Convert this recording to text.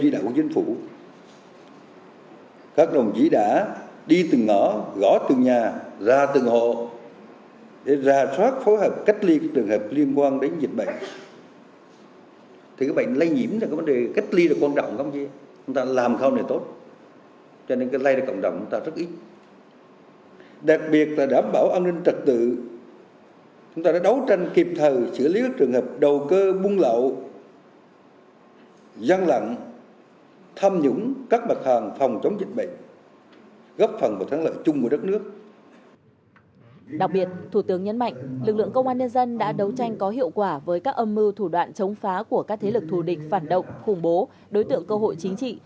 đặc biệt thủ tướng nhấn mạnh lực lượng công an nhân dân đã đấu tranh có hiệu quả với các âm mưu thủ đoạn chống phá của các thế lực thù địch phản động khủng bố đối tượng cơ hội chính trị